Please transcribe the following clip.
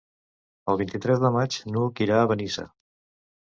El vint-i-tres de maig n'Hug irà a Benissa.